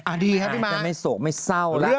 ดีครับพี่มาร์ทเรื่องอะไรครับแต่ไม่โสกไม่เศร้า